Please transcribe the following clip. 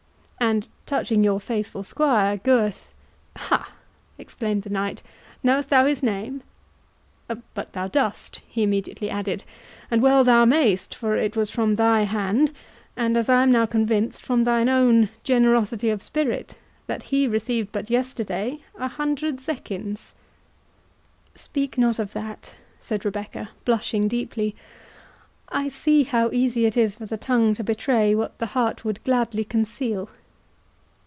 And touching your faithful squire Gurth— " "Ha!" exclaimed the knight, "knowest thou his name?—But thou dost," he immediately added, "and well thou mayst, for it was from thy hand, and, as I am now convinced, from thine own generosity of spirit, that he received but yesterday a hundred zecchins." "Speak not of that," said Rebecca, blushing deeply; "I see how easy it is for the tongue to betray what the heart would gladly conceal."